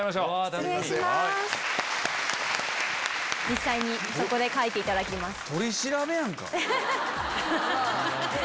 実際にそこで描いていただきます。